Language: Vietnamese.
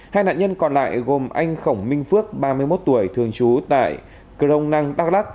hai nạn nhân còn lại gồm anh khổng minh phước ba mươi một tuổi thường trú tại cờ rông năng đắk lắc